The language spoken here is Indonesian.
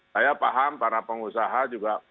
saya paham para pengusaha juga